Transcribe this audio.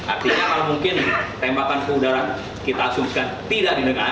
artinya kalau mungkin tembakan ke udara kita asumsi kan tidak di dengar